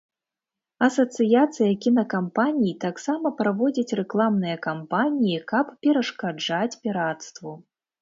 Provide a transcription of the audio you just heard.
Асацыяцыя кінакампаній таксама праводзіць рэкламныя кампаніі, каб перашкаджаць пірацтву.